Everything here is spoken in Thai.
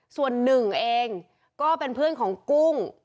ส่วนหนึ่งเองก็เป็นเพื่อนของกุ้ง